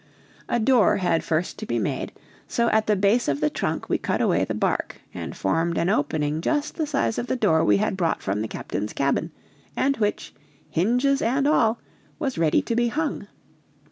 A door had first to be made, so at the base of the trunk we cut away the bark and formed an opening just the size of the door we had brought from the captain's cabin, and which, hinges and all, was ready to be hung.